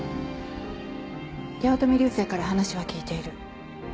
八乙女流星から話は聞いている。